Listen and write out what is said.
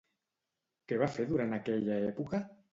Què va fer durant aquella època?